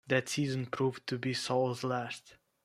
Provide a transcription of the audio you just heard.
That season proved to be the Sol's last.